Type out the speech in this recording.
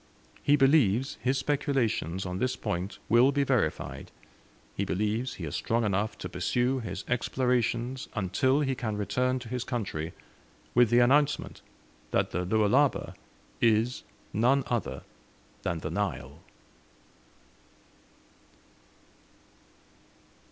He believes his speculations on this point will be verified; he believes he is strong enough to pursue his explorations until he can return to his country, with the announcement that the Lualaba is none other than the Nile.